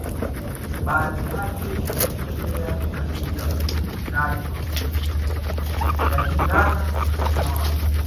Baadhi yake imeelekea katika utekelezaji wa mbinu ya kidhana na kimawazo